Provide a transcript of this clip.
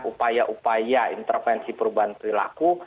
upaya upaya intervensi perubahan perilaku